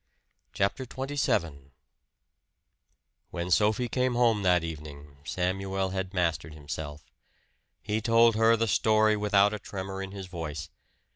CHAPTER XXVII When Sophie came home that evening, Samuel had mastered himself. He told her the story without a tremor in his voice.